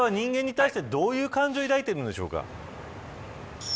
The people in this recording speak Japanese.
カピバラは人間に対してどういう感情を抱いているんでしょうか。